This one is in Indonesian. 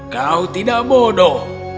kau tidak bodoh